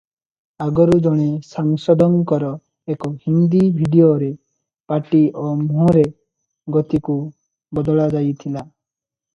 ଆଗରୁ ଜଣେ ସାଂସଦଙ୍କର ଏକ ହିନ୍ଦୀ ଭିଡ଼ିଓରେ ପାଟି ଓ ମୁହଁର ଗତିକୁ ବଦଳାଯାଇଥିଲା ।